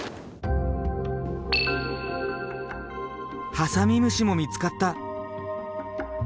ハサミムシも見つかった。